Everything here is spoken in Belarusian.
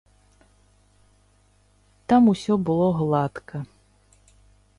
Там усё было гладка.